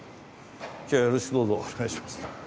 今日はよろしくどうぞお願いします。